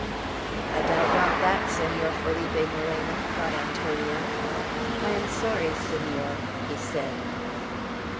"I doubt not that, Senor Felipe Moreno," thought Antonio. "I am sorry, Senor," he said.